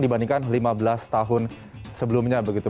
dibandingkan lima belas tahun sebelumnya begitu